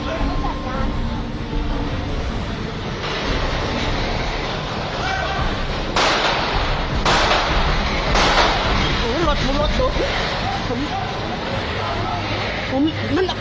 โอ้โหเมื่อไหร่เลย